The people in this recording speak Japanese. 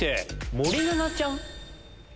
森七菜ちゃん。